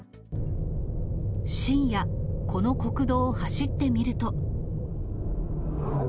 深夜、この国道を走ってみると。